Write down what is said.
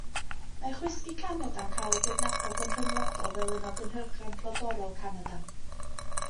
Mae chwisgi Canada'n cael ei gydnabod yn rhyngwladol fel un o gynhyrchion brodorol Canada.